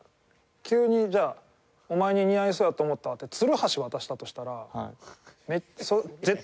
急にじゃあお前に似合いそうやと思ったってツルハシ渡したとしたら。